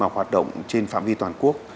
hoạt động trên phạm vi toàn quốc